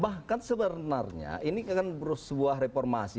bahkan sebenarnya ini kan sebuah reformasi